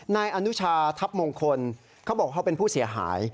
นายอนุชาทัพมงคลเขาบอกเขาเป็นผู้เสียหาย